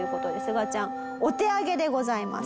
がちゃんお手上げでございます。